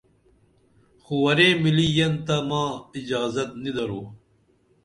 خو ورے ملی یین تہ ماں اِجازت نی درو